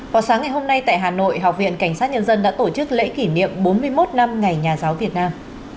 vào sáng ngày hôm nay tại hà nội học viện cảnh sát nhân dân đã tổ chức lễ kỷ niệm bốn mươi một năm ngày nhà giáo việt nam